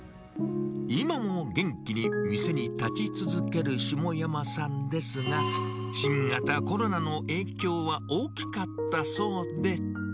今も元気に店に立ち続ける下山さんですが、新型コロナの影響は大きかったそうで。